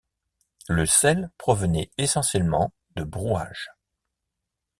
Le sel provenait essentiellement de Brouage.